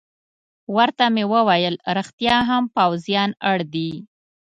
ورته مې وویل: رښتیا هم، پوځیان اړ دي.